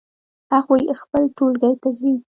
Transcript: هغوی خپل ټولګی ته ځي